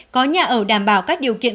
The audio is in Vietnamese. có nhà ở đảm bảo các điều kiện